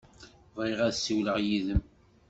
Bɣiɣ ad ssiwleɣ yid-m.